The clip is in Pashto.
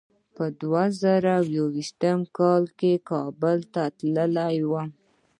په دوه زره یو ویشت کې کابل ته تللی وم.